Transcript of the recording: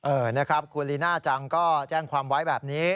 เออนะครับคุณลีน่าจังก็แจ้งความไว้แบบนี้